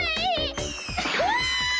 うわ！